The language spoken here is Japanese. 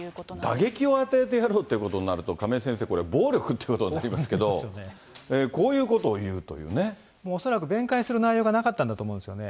打撃を与えてやろうっていうことになると、亀井先生、これ、暴力っていうことになりますけれども、こういうことを言うという恐らく弁解する内容がなかったんだと思うんですよね。